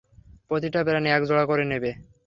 প্রতিটা প্রাণী এক জোড়া করে নেব?